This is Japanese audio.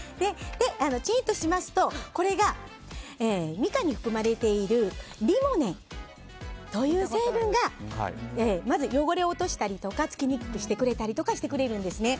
チンとしますとこれがミカンに含まれているリモネンという成分が汚れを落としたりとか付きにくくしてくれたりするんですね。